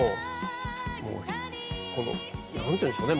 もう、なんていうんでしょうね。